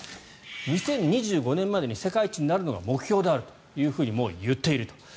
２０２５年までに世界一になるのが目標であるともう言っていると。